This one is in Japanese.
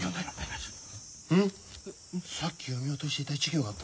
さっき読み落としていた一行があった。